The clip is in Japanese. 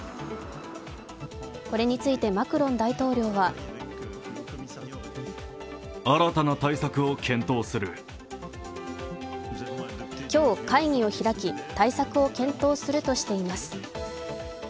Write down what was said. これについてマクロン大統領は今日、会議を開き対策を検討するとしています。